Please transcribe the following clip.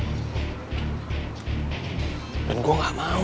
kita udah susah payang ngegabungin dua klub itu jadi satu